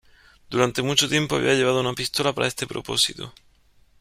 Durante mucho tiempo había llevado una pistola para este propósito.